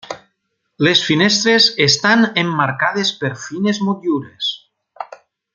Les finestres estan emmarcades per fines motllures.